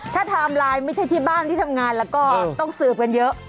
ถ้าไทม์ไลน์ไม่ใช่ที่บ้านที่ทำงานแล้วก็ต้องสืบกันเยอะ